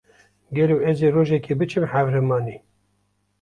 Gelo ez ê rojekê biçim Hewramanê.